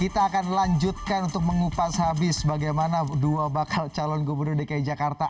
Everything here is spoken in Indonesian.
kita akan lanjutkan untuk mengupas habis bagaimana dua bakal calon gubernur dki jakarta